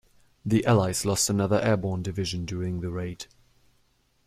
The allies lost another airborne division during the raid.